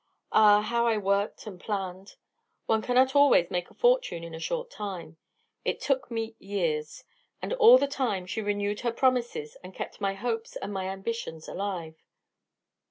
Ah, how I worked and planned! One cannot always make a fortune in a short time. It took me years, and all the time she renewed her promises and kept my hopes and my ambitions alive.